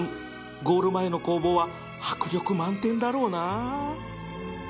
ゴール前の攻防は迫力満点だろうな